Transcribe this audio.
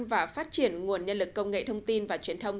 và phát triển nguồn nhân lực công nghệ thông tin và truyền thông